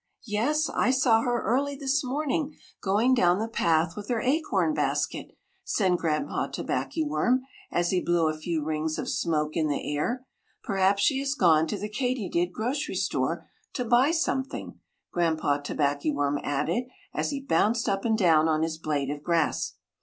"Yes, I saw her early this morning going down the path with her acorn basket," said Granpa Tobackyworm as he blew a few rings of smoke in the air. "Perhaps she has gone to the Katydid grocery store to buy something," Granpa Tobackyworm added as he bounced up and down on his blade of grass.